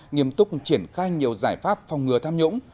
nghiêm túc triển khai nhiều giải pháp phòng ngừa tham nhũng